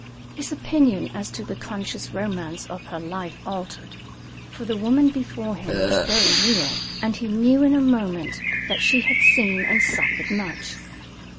His opinion as to the conscious romance of her life altered, for the woman before him was very real, and he knew in a moment that she had seen and suffered much.